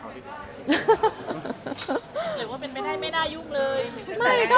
หรือว่าเป็นไปได้ไม่น่ายุ่งเลย